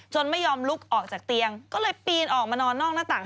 ไม่ยอมลุกออกจากเตียงก็เลยปีนออกมานอนนอกหน้าต่าง